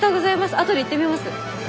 あとで行ってみます。